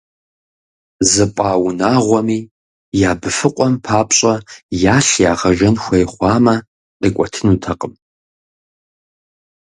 ЗыпӀа унагъуэми я быфыкъуэм папщӀэ ялъ ягъэжэн хуей хъуамэ, къикӀуэтынутэкъым.